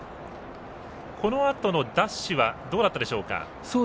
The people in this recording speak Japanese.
このあとのダッシュはどうだったでしょうか。